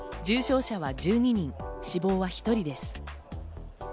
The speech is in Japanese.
重症者は１２人、死亡は１人です。